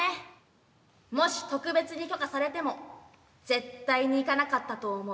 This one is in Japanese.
もし特別に許可されても絶対に行かなかったと思う。